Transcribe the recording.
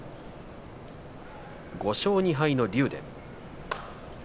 ５勝２敗の竜電。